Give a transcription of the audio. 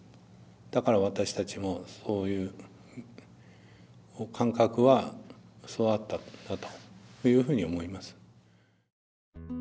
だから私たちもそういう感覚は育ったんだというふうに思います。